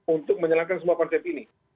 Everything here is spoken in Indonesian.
untuk menyalahkan semua konsep ini